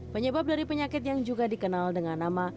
penyebab dari penyakit yang juga dikenal dengan nama